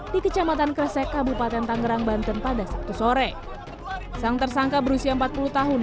di kecamatan kresek kabupaten tangerang banten pada sabtu sore sang tersangka berusia empat puluh tahun